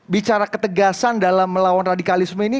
bicara ketegasan dalam melawan radikalisme ini